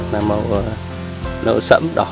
là màu sẫm đỏ